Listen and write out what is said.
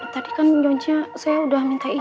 tadi kan nyonya saya sudah minta izin